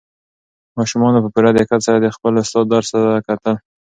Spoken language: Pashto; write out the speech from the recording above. ماشومانو په پوره دقت سره د خپل استاد درس ته کتل.